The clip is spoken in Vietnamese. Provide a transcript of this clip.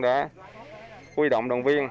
đã quy động đoàn viên